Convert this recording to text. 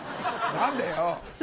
何でよ！